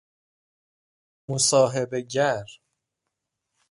مصاحبه گر